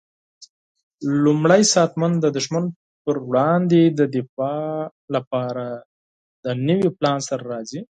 لومړی ساتنمن د دښمن پر وړاندې د دفاع لپاره د نوي پلان سره راځي.